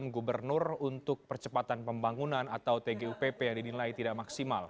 gubernur untuk percepatan pembangunan atau tgupp yang dinilai tidak maksimal